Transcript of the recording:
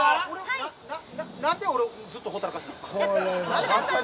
なんで俺ずっとほったらかしなん？